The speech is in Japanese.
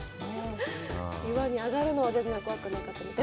岩に上がるのは全然怖くなかったです。